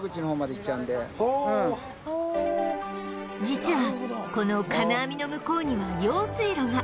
実はこの金網の向こうには用水路が